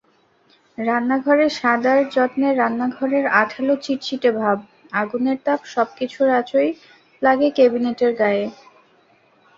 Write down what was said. রান্নাঘরে সাদার যত্নেরান্নাঘরের আঠালো চিটচিটে ভাব, আগুনের তাপ—সবকিছুর আঁচই লাগে কেবিনেটের গায়ে।